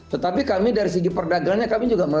tetapi kami dari segi perdagangnya kami juga tidak